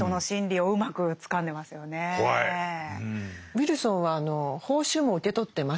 ウィルソンは報酬も受け取ってますし